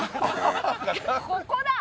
ここだ！